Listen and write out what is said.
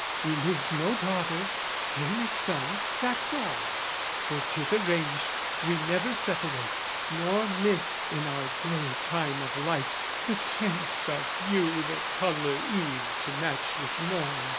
"We lose no daughter, gain a son, that's all: "For 'tis arranged we never separate, "Nor miss, in our grey time of life, the tints "Of you that colour eve to match with morn.